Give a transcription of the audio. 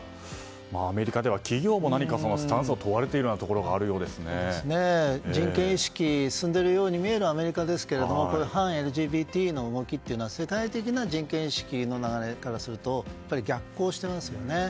アメリカでは企業もスタンスを問われているところが人権意識が進んでいるように見えるアメリカですけれども反ＬＧＢＴの動きというのは世界的な人権意識の流れからすると逆行していますよね。